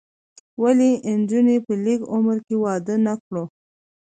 ولې نجونې په لږ عمر کې واده نه کړو؟